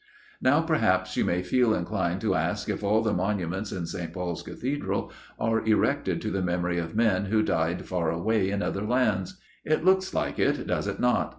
Now perhaps you may feel inclined to ask if all the monuments in St. Paul's Cathedral are erected to the memory of men who died far away in other lands. It looks like it, does it not?